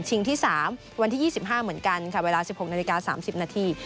ที่๓วันที่๒๕เหมือนกันค่ะเวลา๑๖นาฬิกา๓๐นาที